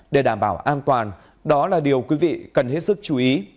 để đảm bảo an toàn đó là điều quý vị cần hết sức chú ý